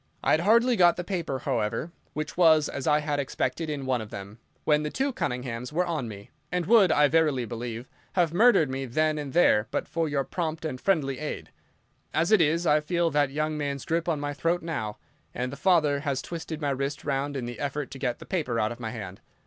I had hardly got the paper, however—which was, as I had expected, in one of them—when the two Cunninghams were on me, and would, I verily believe, have murdered me then and there but for your prompt and friendly aid. As it is, I feel that young man's grip on my throat now, and the father has twisted my wrist round in the effort to get the paper out of my hand.